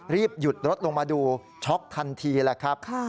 รีบหยุดรถลงมาดูช็อกทันทีแหละครับ